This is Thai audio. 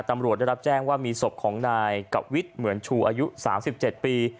ตำรวจได้รับแจ้งว่ามีศพของนายกวิทย์เหมือนชูอายุ๓๗ปี